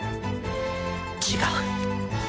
違う。